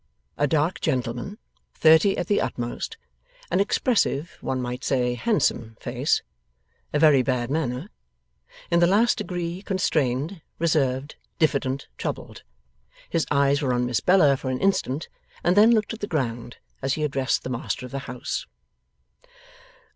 A dark gentleman. Thirty at the utmost. An expressive, one might say handsome, face. A very bad manner. In the last degree constrained, reserved, diffident, troubled. His eyes were on Miss Bella for an instant, and then looked at the ground as he addressed the master of the house.